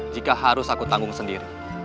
jika harus aku tanggung sendiri